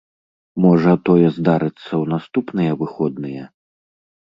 Можа, тое здарыцца ў наступныя выходныя?